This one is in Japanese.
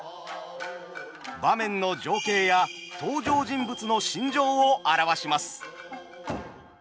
場面の情景や登場人物の心情を表します。